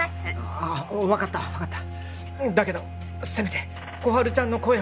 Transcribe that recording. ああ分かった分かっただけどせめて心春ちゃんの声を